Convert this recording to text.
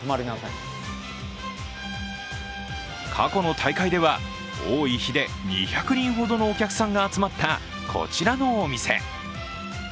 過去の大会では多い日で２００人ほどのお客さんが集まったこちらのお店。